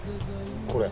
これ。